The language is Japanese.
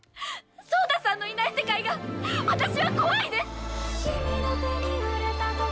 草太さんのいない世界が私は怖いです！